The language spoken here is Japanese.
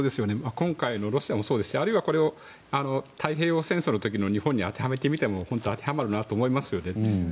今回のロシアもそうですしあるいはこれを太平洋戦争の時の日本に当てはめてみても本当に当てはまるなと思いますよね。